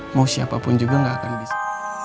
mau siapapun juga gak akan bisa